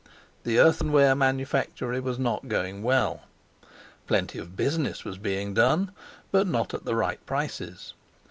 The earthenware manufactory was not going well. Plenty of business was being done, but not at the right prices.